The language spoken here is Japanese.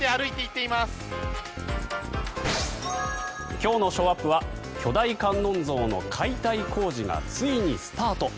今日のショーアップは巨大観音像の解体工事がついにスタート。